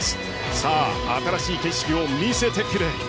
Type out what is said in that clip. さあ、新しい景色を見せてくれ。